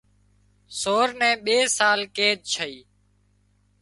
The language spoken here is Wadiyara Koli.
سور نين ٻي سال قيد ڇئي